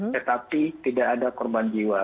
tetapi tidak ada korban jiwa